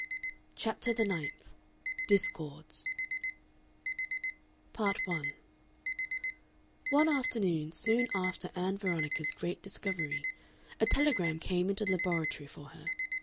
CHAPTER THE NINTH DISCORDS Part 1 One afternoon, soon after Ann Veronica's great discovery, a telegram came into the laboratory for her.